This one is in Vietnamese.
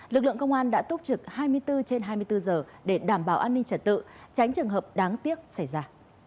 lực lượng công an đã túc trực hai mươi bốn trên hai mươi bốn giờ để đảm bảo an ninh trật tự tránh trường hợp đáng tiếc xảy ra